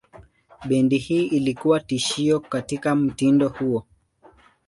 Bendi hii ilikuwa tishio katika mtindo huo.